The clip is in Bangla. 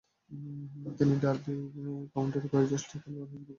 তিনি ডার্বি কাউন্টির বয়োজ্যেষ্ঠ খেলোয়াড় হিসেবে গোল করার কৃতিত্ব দেখান।